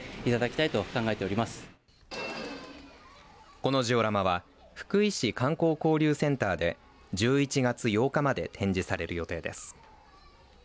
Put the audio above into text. このジオラマは福井市観光交流センターで１１月８日まで展示される予定です。